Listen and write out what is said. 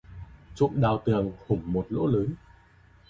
Trộm đào tường hủng một lỗ lớn